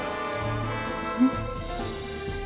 うん。